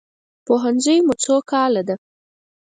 پوهنځی مو څو کاله ده؟